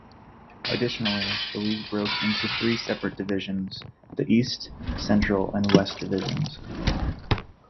Additionally, the league broke into three separate divisions, the East, Central and West divisions.